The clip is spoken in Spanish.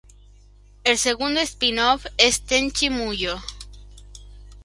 El segundo spin-off es "Tenchi Muyō!